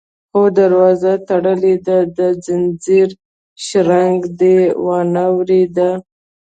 _خو دروازه تړلې ده، د ځنځير شرنګ دې وانه ورېد؟